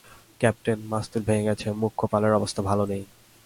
Captain, মাস্তুল ভেঙে গেছে, মূখ্য পালের অবস্থা ভালো নেই।